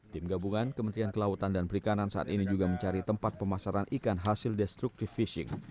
tim gabungan kementerian kelautan dan perikanan saat ini juga mencari tempat pemasaran ikan hasil destructive fishing